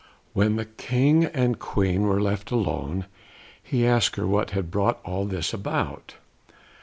When the King and Queen were left alone he asked her what had brought all this about.